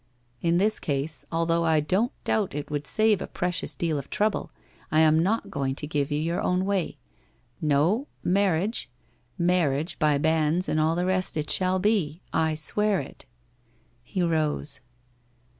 In this case, although I don't doubt it would save a precious deal of trouble, I am not going to give you your WHITE ROSE OF WEARY LEAF 273 own way. No, marriage — marriage by banns and all the rest it shall be, I swear it.' He rose.